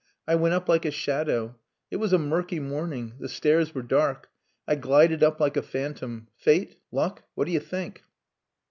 I went up like a shadow. It was a murky morning. The stairs were dark. I glided up like a phantom. Fate? Luck? What do you think?"